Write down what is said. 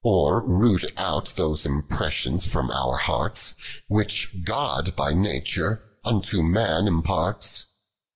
Or root out those impressions from our hearts "Which God by Nature unto man imparts.